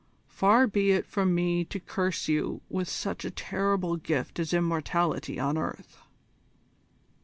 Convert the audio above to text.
Far be it from me to curse you with such a terrible gift as immortality on earth."